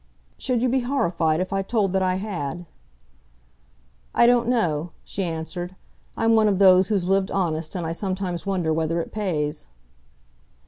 "Should you be horrified if I told that I had?" "I don't know," she answered. "I'm one of those who's lived honest, and I sometimes wonder whether it pays."